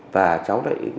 và cháu lại